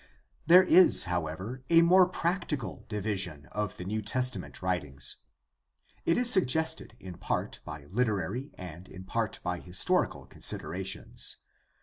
There is, however, a more practical division of the New Testament writings. It is suggested in part by literary and in part by historical considerations.